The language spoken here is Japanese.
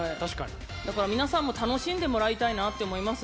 だから皆さんも楽しんでもらいたいなって思います。